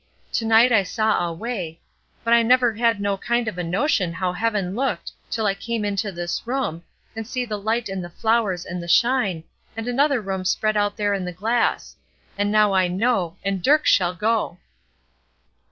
To night I saw a way, but I never had no kind of a notion how heaven looked till I come into this room, and see the light and the flowers and the shine, and another room spread out there in the glass: and now I know, and Dirk shall go!"